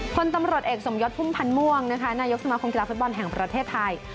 คนตำรวจเอกสมยศพุ่มพันธ์ม่วงนะคะนายกสมาคมกีฬาฟุตบอลแห่งประเทศไทย